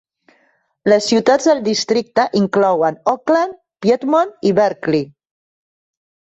Les ciutats del districte inclouen Oakland, Piedmont i Berkeley.